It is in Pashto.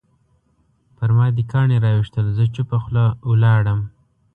پرما دې کاڼي راویشتل زه چوپه خوله ولاړم